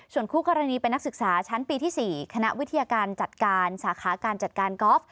ส่วนคู่กรณีเป็นนักศึกษาชั้นปีที่๔คณะวิทยาการจัดการสาขาการจัดการกอล์ฟ